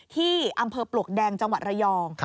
ที่อำเภอปลวกแดงจังหวัดระยอง